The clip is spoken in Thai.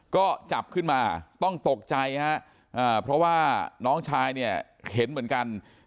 ก็จับขึ้นมาต้องตกใจฮะเพราะว่าน้องชายเนี่ยเห็นเหมือนกัน